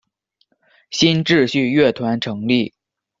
新秩序乐团成立。